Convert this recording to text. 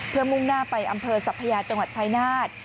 เพื่อมุ่งหน้าไปอำเภอสัพยาจังหวัดชายนาฏ